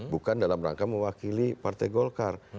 bukan dalam rangka mewakili partai golkar